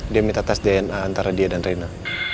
dia minta tes dna antara dia dan reina